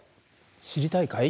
知りたいかい？